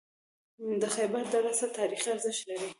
د خیبر دره څه تاریخي ارزښت لري؟